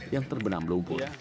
yang terbenam lumpur